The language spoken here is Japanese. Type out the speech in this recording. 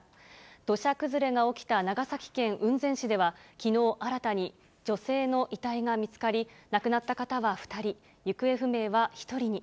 土砂崩れが起きた長崎県雲仙市では、きのう新たに女性の遺体が見つかり、亡くなった方は２人、行方不明は１人に。